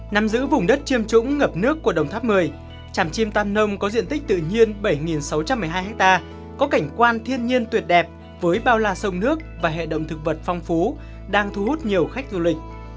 nằm giữa vùng đất chiêm trũng ngập nước của đồng tháp một mươi tràm chim tam nông có diện tích tự nhiên bảy sáu trăm một mươi hai ha có cảnh quan thiên nhiên tuyệt đẹp với bao la sông nước và hệ động thực vật phong phú đang thu hút nhiều khách du lịch